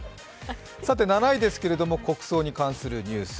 ７位ですけれども、国葬に関するニュース。